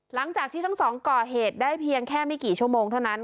หลังจากที่ทั้งสองก่อเหตุได้เพียงแค่ไม่กี่ชั่วโมงเท่านั้น